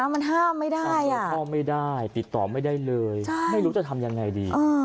มันห้ามไม่ได้ติดต่อไม่ได้เลยไม่รู้จะทำยังไงดี